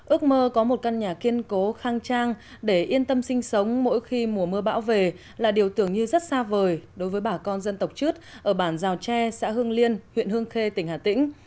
ước mơ có một căn nhà kiên cố khang trang để yên tâm sinh sống mỗi khi mùa mưa bão về là điều tưởng như rất xa vời đối với bà con dân tộc chứt ở bản giao tre xã hương liên huyện hương khê tỉnh hà tĩnh